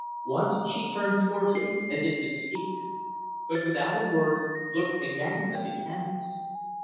Once, she turned toward him, as if to speak; but, without a word, looked again at the canvas.